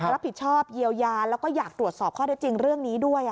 รับผิดชอบเยียวยาแล้วก็อยากตรวจสอบข้อได้จริงเรื่องนี้ด้วย